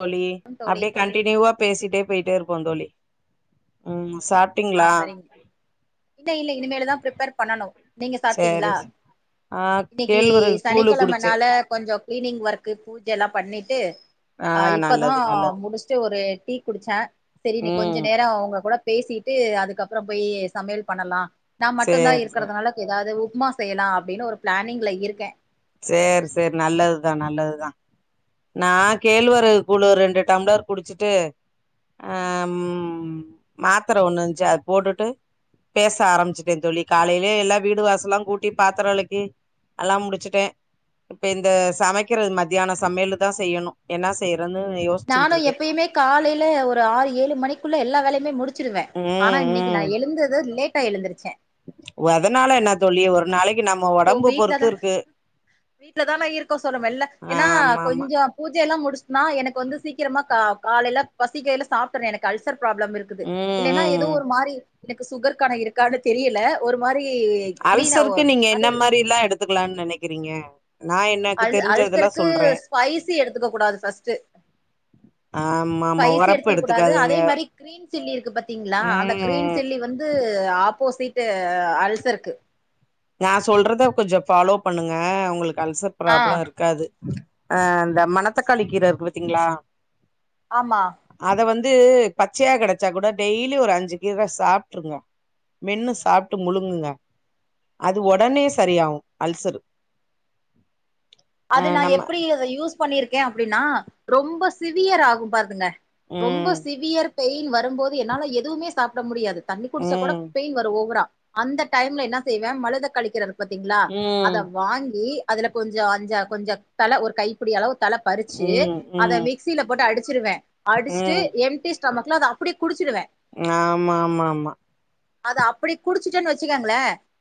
தோழி ம் தோழி அப்டே கண்டினியூவா பேசிட்டே போயிட்டேருப்போ தோழி ம் சாப் ஆ சரிங்க இல்ல இல்ல இனிமேலதா ப்ரிப்பேர் பண்ணணு நீங்க சேரி சாப்ட்டீங்ளா ஆ இன்னிக்கி கேழ்வரகு கூழு குடிச்சே சனிக்கெழமனால கொஞ்சோ க்ளீனிங் ஒர்க்கு பூஜல்லா பண்ணிட்டு ஆ அ இப்பதா நல்லது நல்லது முடிஷ்ட்டு ஒரு டீ குடிச்சே செரி இன்னிக் கொஞ்ச ம் நேரோ உங்க கூட பேசிட்டு அதுக்கப்பறம்போயி சமையல் பண்ணலா நா மட்டுந்தா சேரி சேரி இருக்கறதுனாலக்கு எதாது உப்மா செய்யலா அப்டினு ஒரு ப்ளானிங்ல இருக்கே சேரி சேர் நல்லதுதா நல்லதுதா நா கேழ்வரகு கூழு ரெண்டு டம்ளர் குடிச்சிட்டு அ ம் மாத்தர ஒன்னு இன்ச்சு அத் போட்டுட்டு பேச ஆரம்பிச்சுட்டேந்தோழி காலைலே எல்லா வீடு வாசல்லாங்கூட்டி பாத்தர வெளக்கி எல்லா முடிச்சுட் டே இப்ப இந்த சமைக்கிறது மத்தியான சமையலு தா செய்யணு என்னா செய்றன்னு நானு யோசிச்சுகுட்ருக்கே எப்பயுமே காலையில ஒரு ஆறு ஏழு மணிக்குள்ள எல்லா வேலயுமே முடிச்சிருவ ம் ஆனா இன்னைக்கு நா எழுந்தது லேட்டா எழுந்திருச்சே ஓ அதனால என்ன தோழி ஒரு நாளைக் தோ வீட்லதான வீட்லதான இருக்கோ சோ நாம எல்ல ஏன்னா ஆமா ஆமா கொஞ்சு பூஜையெல்லா முடிஷ்ட்ன்னா எனக்கு வந்து சீக்கிரமா கா காலைல பசிக்கைல சாப் பறே எனக்கு அல்சர் ப்ராப்ளம் இருக்கிது ம் இல்லென்னா எதோ ம் ஒரு மாரி எனக்கு சுகர்க்கான இருக்கானு தெரியல ஒரு மாரி கிரீன் ஆவு அல்சருக்கு நீங்க என்ன அது மாரில்லா எடுத்துக்லான் நெனைக்கிறீங்க நா என்ன அல் அல்சருக்கு ஸ்பைசி எடுத்துக்க கூடாது ஃபஸ்ட்டு ஆமா ஆமா ஸ்பைசி ஒரப்பு எடுத்துக் கூடாது எடுத்துக்காதுங்க அதே மாரி க்ரீன் சில்லி இருக்கு பாத்தீங்ளா அந்த ம் க்ரீன் ம் சில்லி வந் து ஆப்போசிட்டு அல்சருக்கு நா சொல்றத கொஞ்சொ ஃபாலோ பண்ணுங்க உங்களுக்கு அல்சர் ஆ ப்ராப்ள இருக்காது அ அந்த மணத்தக்காளி கீரருக்கு பாத்தீங்ளா ஆமா அத வந்து பச்சயா கெடச்சா கூட டெய்லி ஒரு அஞ்சு கீர சாப்ட்ருங்க மென்னு சாப்ட்டு முழுங்குங்க அது ஒடனே சரியாவு அல்சரு ஆ அது நா நம்ம எப்டி அத யூஸ் பண்ணிருக்கே அப்டின்னா ரொம்ப சிவியராகு பார்துங்க ரொம்ப ம் சிவியரு பெயின் வரும்போது என்னால எதுமே சாப்ட முடியாது தண்ணி குடிச்சா கூட ம் பெயின் வரு ஓவரா அந்த டைம்ல என்ன செய்வே மணதக்காளிக்கீர பாத்தீங்ளா அத ம் வாங்கி அதுல கொஞ்சொ அஞ்ச கொஞ்சொ தழ ஒரு கைப்பிடி அளவு தழ பறிச்சு ம் அத ம் மிக் ஸில போட்டு அடிச்சிருவே அடிச்ட்டு ம் எம்டி ஸ்டொமக்ல அத அப்டியே குடிச்சிருவே ஆமாமாமா அத அப்டி குடிச்சுட்டே வச்சுக்கங்ளே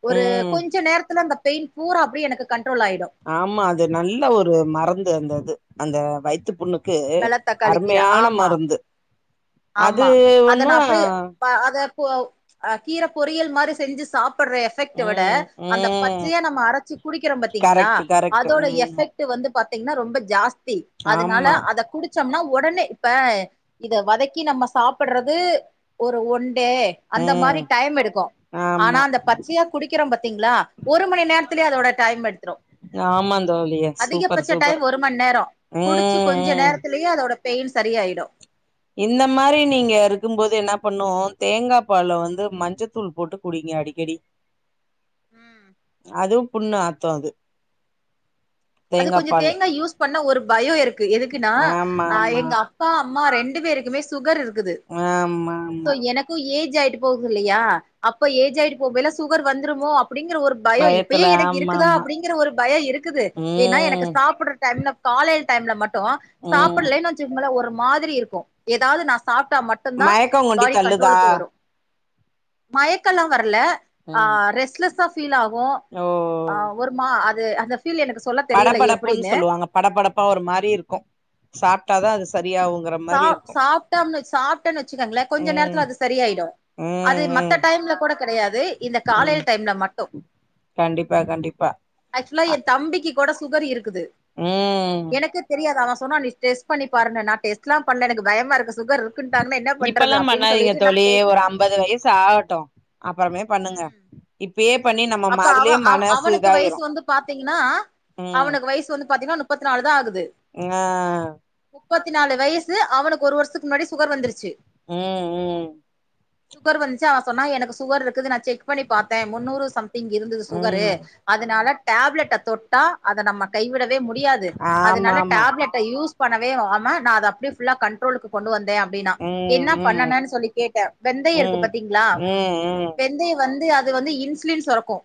ஒரு ம் கொஞ்ச நேரத்துல அந்த பெயின் பூரா அப்டி எனக்கு கன்ட்ரோல் ஆயிடு ஆமா அது நல்ல ஒரு மரந்து அந்த இது அந்த வயித்து புண்ணு க்கு வெள்ள தக்காளி கீர அருமயான ஆமா மருந்து அது ஆமா அத ஒன்னா நா அப்டியே ப அத பொ அ கீர பொரியல் மாரி செஞ்சு சாப்புறே எ ஃபெக்ட்ட விட ம் அந்த ம் பச்சயா நம்ம அரச்சு குடிக்கிறம்பாத்தீங்ளா கரெக்ட் கரெக்ட் அதோட ம் எஃபெக்ட் டு வந்து பாத்தீங்ன்னா ரொம்ப ஜாஸ்தி அதனால ஆமா அத குடு ச்சம்னா ஒடனே இப்ப இத வதக்கி நம்ம சாப்புறது ஒரு ஒன்டே அந்த ம் மாரி டைம் எடுக்கு ஆனா ஆமா அந்த பச்சயா குடிக்கிறோ பாத்தீங்ளா ஒரு மணி நேரத்துலயே அதோட டைம் எடுத்துரு ஆமா தோழி சூப்பர் அதிகபட்ச சூப்பர் டைம் ஒரு மண் நேரோ குடிச்சு ம் கொஞ்ச ம் நேரத்து லயே அதோட பெயின் சரியாய்டு இந்த மாரி நீங்க இருக்கும்போது என்ன பண்ணு தேங்கா பால்ல வந்து மஞ்சத்தூள் போட்டு குடிங்க அடிக்கடி ம் அது புண்ணு ஆத்து அது அது கொஞ்சோ தேங்கா யூஸ் பண்ண ஒரு பயோ இருக்கு எதுக்குன்னா ஆமா ஆ ஆமா எங்க அ அப்பா அம்மா ரெண்டு பேருக்குமே சுகர்ருக்குது ஆமா ஆமா கு ஏஜ் ஆய்ட்டு போகுதுல்லயா அப்ப ஏஜ் ஆயிட்டு போகைல சுகர் வந்துருமோ அப்டிங்கற ஒரு பயோ பயத்துல இப்பயே எனக்கு ஆமா இருக்குதா ஆமா அப்டிங்ற ஒரு பயோ இருக்குது ஏன்னா எனக்கு ம் சாப்புட்ற டைம்ல காலைல டைம்ல மட்டு ம் சாப்புலேன் ச்சும்பல ஒரு மாதிரி இருக்கு எதாவ்து நா சாப்ட்டா மட்டுந்தா மயக்கம் கொண்டி பாடி தள்ளுதா கன்ட்ரோலுக்கு வரு மயக்கல்லா வர்ல ஆ ம் ரெஸ்ட்லெஸ்ஸா ஃபீல் ஆகு ஓ ஆ ஒர்மா அது அந்த ஃபீல் எனக்கு சொல்ல தெரியல படபடப்புன் எப்டின்னு சொல்லுவாங்க படப்படப்பா ஒரு மாரி இருக்கு சாப்ட்டாதா அது சரியாவுங்ற சா சாப்ட்டம்னு சாப்ட்டேன் வச்சுக்கங்ளேகொஞ்ச ம் நேரத்துல அது சரியாயிடு அது ம் மத்த ம் டைம்ல கூட கெடயாது இந்த ம் காலைல் டைம்ல மட்டு கண்டிப்பா கண்டிப்பா ஆக்சுவலா அ எ தம்பிக்கி கூட சுகர் இருக்குது ம் எனக்கு தெரியாது அவே சொன்னா நீ டெஸ்ட் பண்ணி பாருன்னா நா டெஸ்ட் ஸ்லா பண்ல எனக்கு பயமாருக்கு சுகர் இருக்குன்ட்டாங்கன்னா என்ன பண்றது இப்பல்லா அப்டின்னு பண்ணாதீங்க சொல்லிட்டு நா தோழி ஒரு டெஸ்ட்லா அம்பது வய்சு ஆகட்டு அப்றமே பண்ணுங்க ம் இப்பயே பண்ணி நம்ம அப்ப ம அவ அதுலயே அவ் மனசு அவனுக்கு இதாயிரு வய்சு வந்து பாத்தீங்கன்னா ம் அவுனுக்கு வயசு வந்து பாத்தீன்னா முப்பத்தி நாலுதா ஆகுது ஆ முப்பத்தி நாலு வயசு அவனுக்கு ஒரு வருஷத்துக்கு முன்னாடியே சுகர் வந்துருச்சு ம் ம் சுகர் வந்துசு அவ சொன்னா எனக்கு சுகர் இருக்குது நா செக் பண்ணி பாத்தே முன்னூறு சம் இருந்தது சுகரு ம் அதுனால டேப்லெட்ட தொட்டா அத நம்ம கைவிடவே முடியாது ஆமா அதுனால ஆமா டேப்லெட யூஸ் பண்ணவே ஆம அத அப்படியே ஃபுல்லா கன் கன்ட்ரோழுக்குகொண்டு வந்தே அப்டின்னா ம் என்ன ம் பண்ணனு சொல்லி கேட்டே வெந்தைய இருக்கு ம் பாத்தீங்களா ம் ம் வெந்தய வந்து அது வந்து இன்சுலின் சொறகு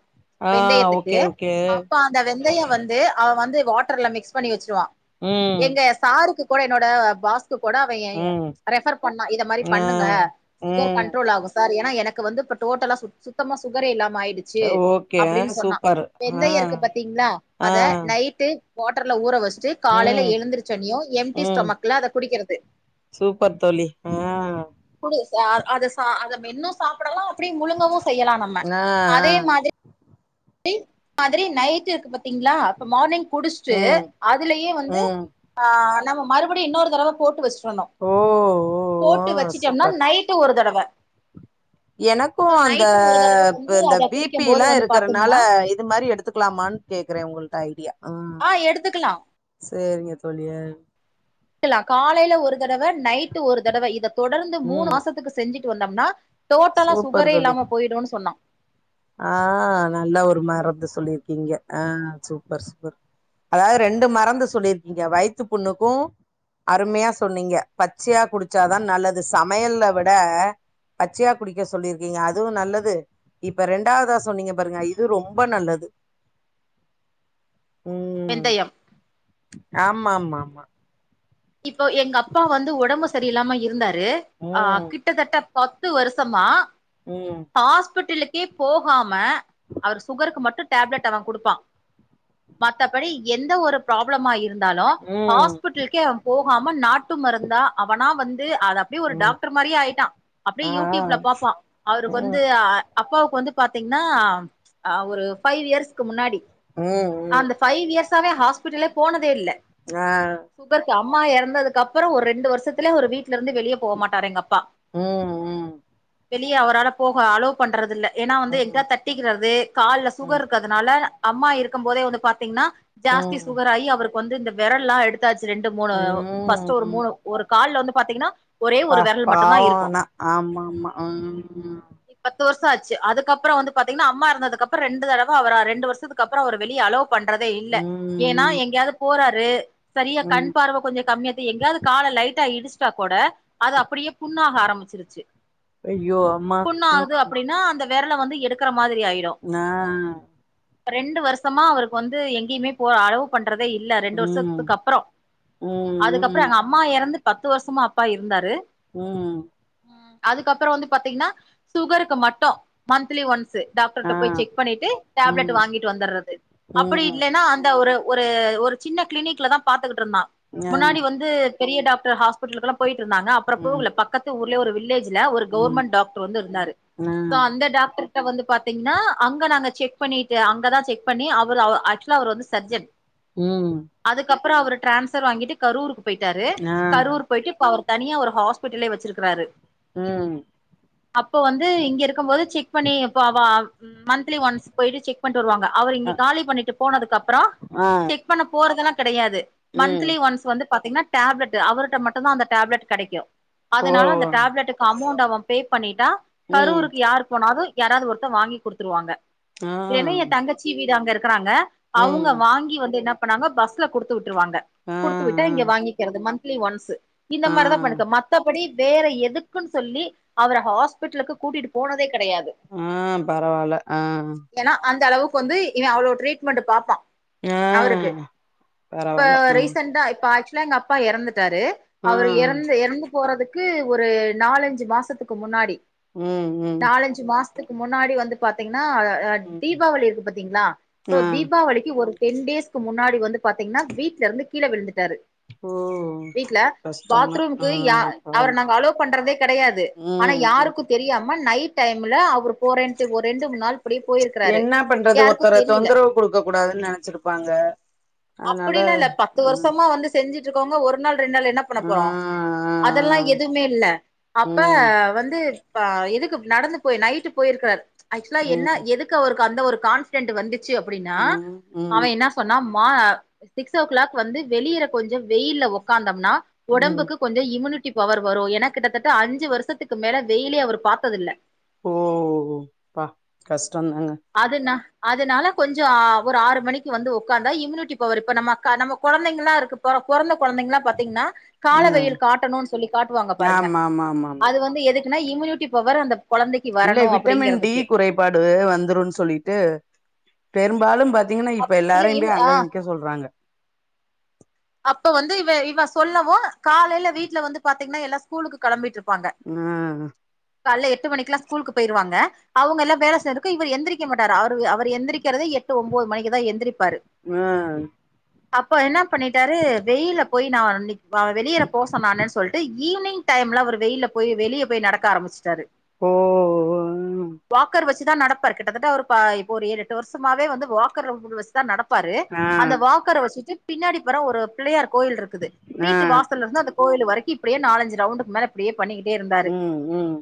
ஆ வெந்தயத்துக்கு ஓகே ஓகே அப்ப அந் அந்த வெந்தயே வந்து அவ வந்து வாட்டர்ல மிக்ஸ் பண்ணி வெச்சிருவா ம் எங்க சாருக் கூட என்னோட பாஷ் க்கு கூட அவ ம் ரெஃபர் பண்ணா இத மாரி ஆ பண்ணுங்க சுகர் ம் கண்ட்ரோல் ஆகு சார் ஏன்னா எனக்கு வந்து இப்ப டோட்டலா சு சுத்தமா சுகரே இல்லாம ஆயிடு ச்சு ஓகே அப்டின்னு சொன்னா சூப்பர் ஆ வெந்தய இருக்கு பாத்தீங்ளா ஆ அத நைட்டு வாட்டர்ல ஊற வெச்சிட்டு காலையில ம் எழுந்தருச்சுன்னியு எம்டி ம் ஸ்டொமக்ல அத குடிக்கிறது சூப்பர் தோழி ஆ குடு அத அத மென்னு சாப்பிடலா அப்படியே முழுங்கவு செய்யலா நம்ம ஆ ஆ மாதிரி அதே மாதிரி நைட் இருக்கு பாத்தீங்களா இப்ப மார்னிங் குடிச்சுட்டு ம் அதுலயே வந்து ம் ஆ நம்ம மறுபடியு இன்னொரு தடவ போட்டு வெச்சுறணு ஓ ஓ ஓ போட்டு வெச்சிட்டம்னா சூப்பர் நைட்டு ஒரு தடவ எனக்கு சோ அந்த நைட்டு ஒரு தடவ வந்து இந்த அத பி பி குடிக்கும் போது எல்லா வந்து இருக்கற பாத்தீங்கன்னா னால இது மாரி எடுத்துக்கலாமான்னு கேக்குறே உங்கள்ட ஐடியா ஆ எடுத்துக்கலா சேரிங்க தோழி காலைல ஒரு தடவ நைட்டு ஒரு தடவ இத தொடர்ந்து மூணு ம் மாசத்துக்கு செஞ்சுட்டு வந்தம்னா டோட்டலா சூப்பர் சுகரே தோழி. இல்லாம போயிடுன்னு சொன்னா ஆ நல்ல ஒரு மரந்து சொல்லியிருக்கீங்க ஆ சூப்பர் சூப்பர் அதாது ரெண்டு மரந்து சொல்லிருக்கீங்க வயத்து புண்ணுக்கு அருமையா சொன்னீங்க பச்சயா குடிச்சாதா நல்லது சமையல்ல விட பச்சயா குடிக்க சொல்லி இருக்கீங்க அதுவு நல்லது இப்ப ரெண்டாவதா சொன்னீங்க பாருங்க இது ரொம்ப நல்லது வெந்தயம் ஆமா ஆமா இப்போ எங்க அப்பா வந்து ஒடம்பு செரியில்லாம இருந்தாரு ஆ ம் கிட்டத்தட்ட பத்து வருஷமா ம் ஹாஸ்பெட்டலுக்கே போகாம அவரு சுகருக்கு மட்டு டேப்லெட் அவ குடுப்பா மத்த படி எந்த ஒரு பிராப்ளமா இருந்தாலு ம் ஹாஸ்பிட்டலுக்கே அவ போகாம நாட்டு மருந்தா அவனா வந்து து அது அப்டியே ஒரு ம் டாக்டர் மாரியே ஆயிட்டா அப்டியே ஆ யூடிப்ல பாப்பா அவருக்கு ம் வந்து ஆ அப்பாவுக்கு வந்து பாத்தீங்ன்னா ஒரு ஃபைவ் இயர்ஸ்க்கு முன்னாடி ம் ம் அந்த ஃபைவ் இயர்ஸாவே ஹாஸ்பிட்டலே போனதே இல்ல ஆ சுகர்கு அம்மா எறந்ததுக்கு அப்பறோ ஒரு ரெண்டு வருஷதுலே ஒரு வீட்ல இருந்து வெளிய போக மாட்டாரு எங்க அப்பா ம் ம் வெளிய அவரால போக அளோ பண்றது இல்ல ஏனா வந்து எங்கா ம் தட் தட்டிக்கிறது கால்ல ம் சுகர் இருக்குறதுனால அம்மா இருக்கும் போதே வந்து பாத்தீங்கன்னா ஜாஸ்தி ம் சுகர் ஆயி அவருக்கு வந்து இந்த வெரல்லா எடுத்தாச்சு ரெண்டு மூணு பஸ்ட் ம் ஒரு ம் மூணு ஒரு கால்ல வந்து பாத்தீங்கன்னா ஒரே பா ஒரு விரல் மட்டுந்தா பாவோ இருக்கு ஆனா ஆமா ஆமா ம் பத்து வருஷோ ஆச்சி அதுக்கப்றோ வந்து பாத்திங்கன்னா அம்மா எறந்ததுக்கு அப்றோ ரெண்டு தடவ அவர ரெண்டு வருஷத்துக்கு அப்பறோ அவர வெளிய அளோ பண்றதே இல்ல ஏனா ம் எங்கயாது போறாரு சரியா ம் கண் பார்வ கொஞ்சோ கம்மியாத்து எங்கயாது கால லைட்டா இடிச்சிட்டா கூட அது அப்படியே புண்ணாக ஆரம்பிச்சிருச்சு ஐயோ அம்மா ம் புண்ணாகுது அப்புடின்னா அந்த வெரல வந்து எடுக்குற மாதிரி ஆயிரு நா ரெண்டு வருஷமா அவருக்கு வந்து எங்யுமே போவ அளவு பண்றதே இல்ல ரெண்டு ம் வருஷத்துக்கு அப்றோ அதுக்கப்றோ ம் ம் எங்க அம்மா எறந்து பத்து வருஷமா அப்பா இருந்தாரு ம் அதுக்கப்றோ வந்து பாத்தீங்கன்னா சுகருக்கு மட்டு மந்த்லி ஒன்ஸ்சு டாக்டர் ஆ கிட்ட போய் செக் பண்ணிட்டு டேப்லெட் ம் வாங்கிட்டு வந்தரது அப்டி ம் இல்லன்னா அந்த ஒரு ஒரு ஒரு சின்ன கிளினிக்ல தா பாத்துக்கிட்டு இருந்தா ஆ முன்னாடி வந்து பெரிய டாக்டர் ஹாஸ்பிட்டலுக்லா போய்ட்ருந்தாங்க அப்றோ ம் போகல பக்கத்து ஊர்லே ஒரு வில்லேஜ் ல ஒரு ம் கவர்மெண்ட் டாக்டர் வந்து இருந்தாரு ஆ சோ அந்த டாக்டர் வந்து பாத்தீங்னா அங்க நாங்க செக் பண்ணிட்டு அங்கதா செக் பண்ணி அவரு அவர் ஆக்சுவலா அவர் வந்து சர்ஜன் ம் அதுக்கப்றோ அவர் டிரான்ஸர் வாங்கிட்டு கரூருக்கு போயிட்டாரு ஆ கரூர் போயிட்டு இப்ப அவர் தனியா ஒரு ஹாஸ்பிட்டலே வெச்சிருக்குறாரு ம் அப்போ வந்து இங்க இருக்கும் போது செக் பண்ணி ப்ப அவ ம் மந்த்லி ஒன்ஸ் போயிட்டு செக் பண்ணிட்டு வருவாங்க அவர் இங்க அ காலி பண்ணிட்டு போனதுக்கு அப்றோ ஆ செக் செக் பண்ண போறதுல்லா கெடையாது ம் மந்த்லி ஒன்ஸ் வந்து பாத்தீங்கன்னா டேப்லெட்டு அவர்கிட்ட மட்டுதா அந்த டேப்லெட் கெடைக்கு அதனால அந்த ஓ டேப்லெட்டுக்கு அமௌண்ட்ட அவே பே பண்ணிட்டா ம் கரூருக்கு யார் போனாலு யாராது ஒருத்த வாங்கி குடுத்துருவாங்க ஆ இல்லன எயா தங்கச்சி வீடு அங்க இருக்கறாங்க அவுங்க ம் வாங்கி வந்து என்ன பண்ணாங்க பஸ்ல குடுத்து விட்டுருவாங்க ஆ குடுத்து விட்டா இங்க வாங்கிக்கிறது மந்த்திலி ஒன்ஸ்ஸு இந்த ஆ மாரிதா பண்ணிப்பே மத்த படி வேற எதுக்குன்னு சொல்லி அவர ஹாஸ்பிட்டலுக்கு கூட்டிட்டு போனதே கெடையாது ஆ பரவால்ல ஆ ஏன்னா அந்தளவுக்கு வந்து இவே அவ்ளோ ட்ரீட்மென்ட் பாப்பா ஆ அவருக்கு இப்ப பரவால்ல ஆ ரீச சன்டா இப்ப ஆக்சுவலா எங்க அப்பா ஏறந்துட்டாரு ஆ அவரு எறந்து எறந்து போறதுக்கு ஒரு நாலஞ்சு மாசத்துக்கு முன்னாடி ம் ம் ஞ்சி மாசத்துக்கு முன்னாடி வந்து பாத்தீங்கன்னா அ ம் தீபாவளி இருக்கு பாத்தீங்ளா சோ ஆ தீபாவளிக்கு ஒரு டென் டேஸ்கு முன்னாடி வந்து பாத்தீங்கன்னா வீட்ல இருந்து கீழேவிழுந்துட்டாரு ஓ வீட்ல கஷ்டந்தா ஆ பாத்ரூம்கு ய அவர பாவோ நாங்க அலோ பண்றதே கெடையாது ஆனா ம் ம் யாருக்கு தெரியாம நைட் டைம்ல அவரு போறன்ட்டு ஒரு ரெண்டு மூணு நாள் இப்டியே போயிருக்கிறாரு என்ன பண்றது யாருக்கு தெரில ப்பாங்க அப்டியெல்லா இல்ல பத்து வருஷமா வந்து செஞ்சிட்டு இருக்கவங்க ஒரு நாள் ரெண் நாள் என்ன பண்ண ஆ போறோ ஆ அதெல்லா எதுமே இல்ல அப்ப ம் வந்து ப எதுக்கு நடந்து போய் நைட்டு போயிருக்றாரு ஆக்சுவலா என்ன ம் எதுக்கு அவருக்கு அந்த ஒரு கான்ஃபிடென்ட் வந்துச்சு அப்டினா ம் ம் அவன் என் னா சொன்னா மா சிக்ஸ் ஓ கிளாக் வந்து வெளியற கொஞ்சோ வெய்யில்ல உக்காந்தம்னா ம் ஒடம்புக்கு கொஞ்சோ இம்யூனிட்டி பவர் வரு ஏனா கிட்டத்தட்ட அஞ்சு வருஷத்துக்கு மேல வெயிலே அவர் பாத்ததில்ல ஓ பா கஷ்டந்தாங்க அதுனா அதுனால கொஞ்சோ ஒரு ஆறு மணிக்கு வந்து உக்காந்தா இம்யூனிட்டி பவர் இப்ப நம்ம கா நம்ம கொழந்தைங்கல்லா இருக்குப்ப பொறந்த கொழந்தைங்கல்லா பாத்தீங்கன்னா கால ஆ வெயில் காட்டணு சொல்லி காட்டுவாங்க பாருங்க ஆமா ஆமா ஆமா ஆமா அது வந்து எதுக்கு இம்யூனிட்டி பவர் அந்த கொழந்தைக்கு வரணு அப்டிங்கறதுக்கு பாடு வந்துருனு சொல்லிட்டு பெரும்பாலும் பா த்தீங்கன்னா இப்ப இல்ல எல்லாரையும் இம் போய் அங்க ஆ நிக்க சொல்றாங்க அப்ப வந்து இவன் இவன் சொல்லவு காலைல வீட்ல வந்து பாத்தீங்கன்னா எல்லா ஸ்கூலுக்கு கெளம்பிட்டு இருப்பாங்க ம் காலைல எட்டு மணிக்கெல்லா ஸ்கூலுக்கு போயிருவாங்க அவங்கெல்லா வேல செய்றதுக்கு இவர் எந்திரிக்க மாட்டாரு அவரு அவர் எந்திரி க்கிறது எட்டு ஒன்பது மணிக்குதா எந்திரிப்பாரு ம் அப்ப என்ன பண்ணிட்டாரு வெய்ல்ல போய் நான் வெளியேர போ சொன்னாங்க சொல்ட்டு ஈவ்னிங் டைம்ல அவர் வெயில்ல போய் வெளிய போய் நடக்க ஆரம்பிச்சிட்டாரு ஓ வாக்கர் வெச்சுதா நடப்பார் கிட்டத்தட்ட ஒரு பா இப்போ ஒரு ஏழு எட்டு வருஷமாவே வந்து வாக்கர் வெச்சு நா நடப்பாரு ஆ அந்த வாக்கர வெச்சிட்டு பின்னாடி போற ஒரு பிள்ளையார் கோயில் இருக்குது ஆ வீட்டு வா சலந்து அந்த கோயில் வரைக்கு இப்டியே நாலஞ்சு ரவுண்டுக்கு மேல இப்டியே பண்ணிக்கிட்டே இருந்தாரு ம் ம்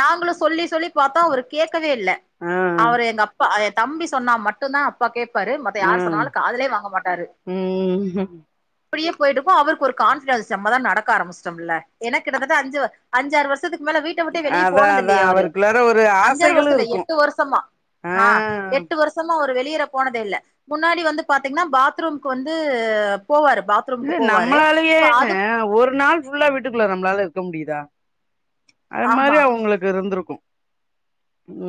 நாங்களு சொல்லி சொல்லி பாத்தோ அவரு கேட்கவே இல்ல ஆ அவர் எங்க அப் பா என் தம்பி சொன்னா மட்டுந்தா அப்பா கேப்பாரு மத்த யார் ம் சொன்னாலு காதுலயே வாங்க மாட்டாரு ம் இப்டியே போயிட்டு இருக்கோ அவருக்கு ஒரு கான்ஃபிடன்ஸ் வந்ச்சு நம்மதா நடக்க ஆரம்பிச்சிட்டமல்ல ஏனா கிட்டத்தட்ட அஞ்சு அஞ்சாறு வருஷத்து க்கு மேல வீட்ட விட்டு வெளிய அதா போனது அதா இல்லையே அவரு அவருக்குள்ளார ஒரு அஞ்சாறு ஆசைகளு வருஷோ இல்ல இருக்கு எட்டு வருஷமா ஆ எட்டு வரு ஷமா அவரு வெளியேற போனதே இல்ல முன்னாடி வந்து பாத்தீங்கன்னா பாத்ரூம்க்கு வந்து போவாரு பா இல்ல நம்மளாலயே ஒரு நாள் ஃபுல்லா வீட்டுக்குள்ள நம்மளால இருக்க முடிதா அது மாரி ஆமா அவுங்களுக்கு இருந்திருக்கு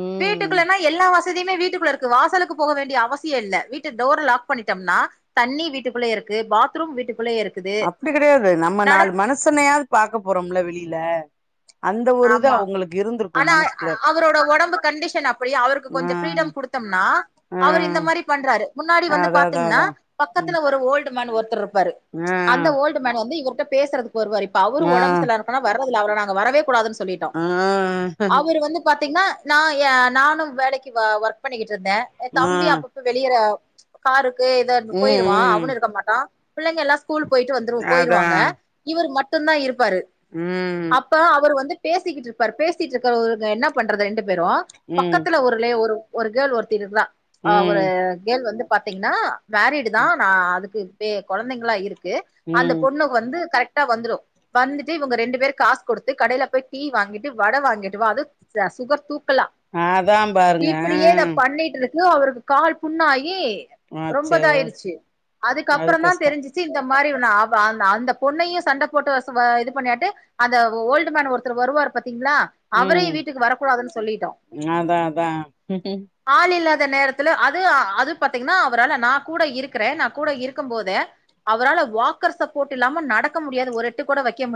ம் வீட்டுக்குள்ளனா எல்லா வசதிமே வீட்டுக்குள்ள இருக்கு வாசலுக்கு போக வேண்டிய அவசியோ இல்ல வீட்ட டோர் லாக் பண்ணிட்டம்னா தண்ணி வீட்டுக்குள்ளயே இருக்கு பாத்ரூம் வீட்டுக்குள்ளயே இரு அப்டி கெடையாது நம்ம நாலு மனுசனையாவது பாக்க போறோமல்ல வெளில ஆமா ஆனா மனசுக்குள்ள அவரோட ஒடம்பு கண்டிஷன் அப்டி அவருக்கு ஆ கொஞ்சோ ஃப்ரீடம் குடு த்தம்னா ஆ அவரு இந்த மாரி பண்றாரு முன்னாடி வந்து அதா அதா பாத்தீங்கன்னா அதா ம் பக்கத்துல ஒரு ஓல்டு மேன் ஒருத்தர் இருப்பாரு அந்த ஆ ஓல்டு மேன் வந்து இவர்ட்ட பேசறதுக்கு வருவாரு இப்ப அவரு உடம்பு சரியில்லாதிருக்கனால வர்ரதில்ல அவர நாங்க வரவே கூடாது சொல்லிட்டோ ஆ ஆ அவரு வந்து பாத்தீங்னா நா ஏ நானு வேலைக்கு ஒர்க் பண்ணிக்கிட்டு இருந்த என் ஆ தம்பி அப்பப்ப வெளிய காருக்கு எதாது ம் போயிருவான் ம் அவனு இருக்க மாட்டான் பிள்ளைங்க எல்லா ஸ்கூல் போயிட்டு வந்துரு அதா போயிருவாங்க இவரு மட்டுதா இருப்பாரு ம் அவர் வந்து பேசிக்கிட்டு இருப்பார் பேசிட்டு இருக்கவருங்க என்னா பண்றது ரெண்டு பேரு ம் பக்கத்துல ஒரு ளே ஒரு ஒரு கேர்ள் ஒருத்தி இருக்கறா அவரு ம் கேர்ள் வந்து பாத்தீங்கன்னா மேரிடுதா நா அதுக்கு வே கொழந்தைங்கள்ளா இருக்கு அந்த ம் பொண்ணு வந்து கரெக்ட்டா வந்துரு வந்துட்டு இவங்க ரெண்டு பேர் காசு குடு து கடைல போய் டீ வாங்கிட்டு வட வாங்கிட்டு வா அது சுகர் தூக்கலா அதா பாருங்க இப்டியே இத பண்ணிட்டு இருக்க அவருக்கு கால் புண்ணாயி ஆ ரொம்ப அச்சோ இதாயிருச்சு அது அதுக்கப்புற தா கஷ்டோ தெரிஞ்சு இந்த மாரி அவ அந்த பொண்ணையு சண்ட போட்டு இது பண்ணியாட்டு அந்த ஓல்டு ஓல்டுமேன் ஒருத்தரு வருவார் பாத்தீங்ளா அவரயு ம் வீட்டுக்கு வரக்கூடாதுன்னு சொல்லிட்டோ அதா அதா ஆள் இல்லாத நேரத்துல அது அது பாத்தீங்னா அவரால நா கூட இருக்கற நா கூட இருக்கும் போதே அவரால வாக்கர் சப்போர்ட் இல்லாம நடக்க முடியாது ஒரு எட்டு கூட வைக்க முடியாது